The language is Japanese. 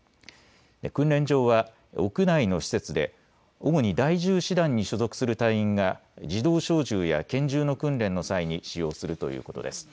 訓練場は屋内の施設で主に第１０師団に所属する隊員が自動小銃や拳銃の訓練の際に使用するということです。